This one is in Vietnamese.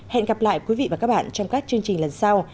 hẹn gặp lại quý vị và các bạn trong các chương trình lần sau